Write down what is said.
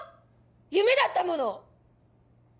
夢だったもの！